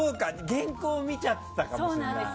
原稿を見ちゃってたかもしれない。